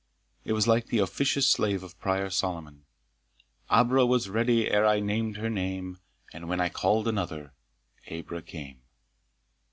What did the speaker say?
It was like the officious slave of Prior's Solomon, Abra was ready ere I named her name, And when I called another, Abra came.